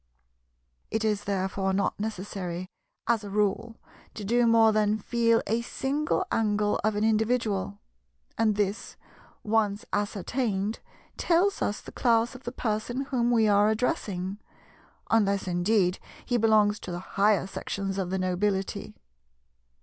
It is therefore not necessary, as a rule, to do more than feel a single angle of an individual; and this, once ascertained, tells us the class of the person whom we are addressing, unless indeed he belongs to the higher sections of the nobility.